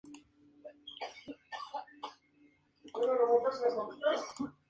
La Asamblea Nacional escoge un Consejo Nacional que es el máximo órgano entre asambleas.